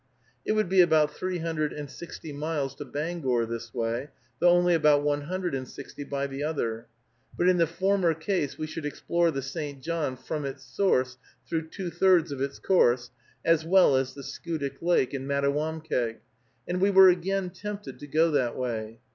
It would be about three hundred and sixty miles to Bangor this way, though only about one hundred and sixty by the other; but in the former case we should explore the St. John from its source through two thirds of its course, as well as the Schoodic Lake and Mattawamkeag, and we were again tempted to go that way.